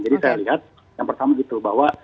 jadi saya lihat yang pertama gitu